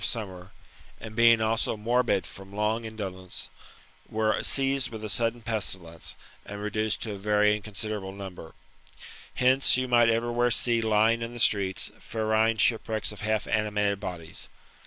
59 of summer, and being also morbid from long indolence, were seized with a sudden pestilence, and reduced to a very incon siderable number. Hence, you might everywhere see lying in the streets, ferine shipwrecks of half animated bodies.